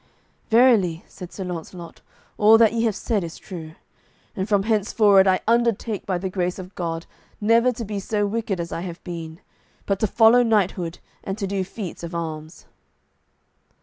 "Verily," said Sir Launcelot, "all that ye have said is true, and from henceforward I undertake by the grace of God never to be so wicked as I have been, but to follow knighthood and to do feats of arms."